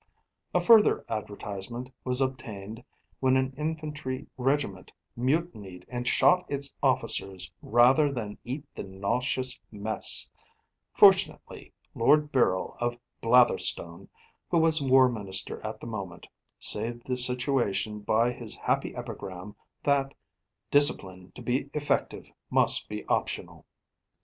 A further advertisement was obtained when an infantry regiment mutinied and shot its officers rather than eat the nauseous mess; fortunately, Lord Birrell of Blatherstone, who was War Minister at the moment, saved the situation by his happy epigram, that "Discipline to be effective must be optional."